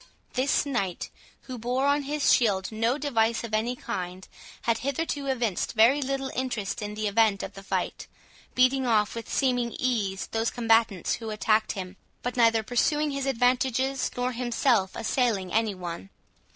This knight, who bore on his shield no device of any kind, had hitherto evinced very little interest in the event of the fight, beating off with seeming ease those combatants who attacked him, but neither pursuing his advantages, nor himself assailing any one.